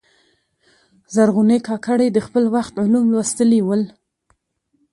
زرغونې کاکړي د خپل وخت علوم لوستلي ول.